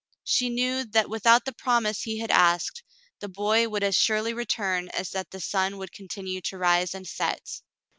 She knew that without the promise he had asked, the boy would as surely return as that the sun would continue to rise and set.